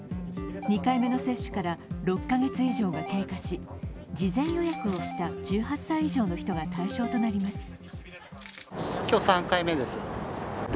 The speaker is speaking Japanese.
２回目の接種から６カ月以上が経過し事前予約をした１８歳以上の人が対象となります。